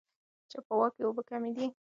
چیواوا کې اوبه کمې دي.